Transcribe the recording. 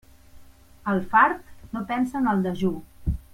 El fart no pensa en el dejú.